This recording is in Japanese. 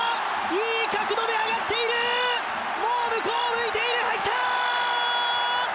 いい角度で上がっているもう向こうを向いている入ったー